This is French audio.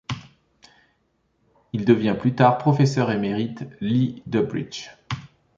Il devient plus tard professeur émérite Lee DuBridge.